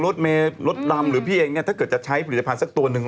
รถเมย์รถดำหรือพี่เองเนี่ยถ้าเกิดจะใช้ผลิตภัณฑ์สักตัวหนึ่ง